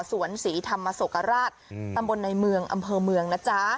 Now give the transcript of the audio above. สวนศรีธรรมศกราชตำบลในเมืองอำเภอเมืองนะจ๊ะ